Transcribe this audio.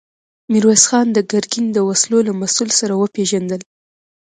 ميرويس خان د ګرګين د وسلو له مسوول سره وپېژندل.